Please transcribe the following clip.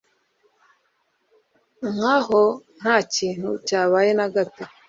Nkaho ntakintu cyabaye nagato